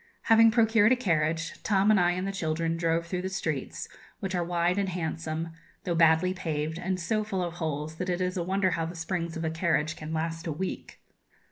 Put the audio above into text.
Having procured a carriage, Tom and I and the children drove through the streets, which are wide and handsome, though badly paved, and so full of holes that it is a wonder how the springs of a carriage can last a week.